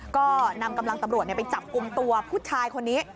ก็นำกำลังตำรวจไปจับกลุ่มตัวผู้ชายคนนี้